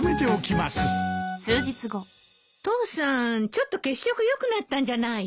父さんちょっと血色よくなったんじゃない。